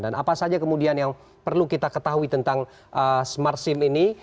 dan apa saja kemudian yang perlu kita ketahui tentang smart sim ini